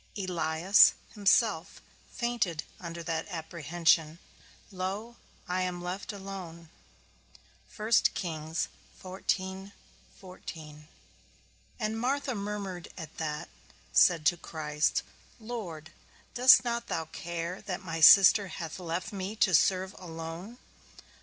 Elias himself fainted under that apprehension, Lo, I am left alone; and Martha murmured at that, said to Christ, _Lord, dost not thou care that my sister hath left me to serve alone?